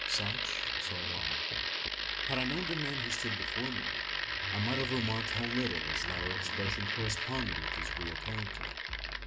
Such saw I. Had I known the man who stood before me, I might have remarked how little this latter expression corresponded with his real character.